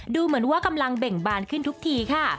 ดูเหมือนว่ากำลังเบ่งบานขึ้นทุกทีค่ะ